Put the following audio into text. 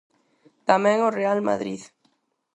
Tamén o Real Madrid.